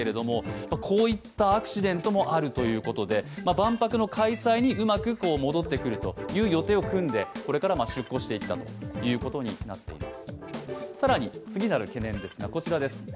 万博の開催にうまく戻ってくるという予定を組んでこれから出港していくということになっています。